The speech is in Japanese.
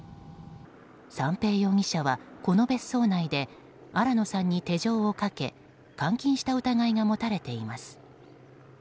三瓶容疑者はこの別荘内で新野さんに手錠をかけ監禁した疑いが持たれています。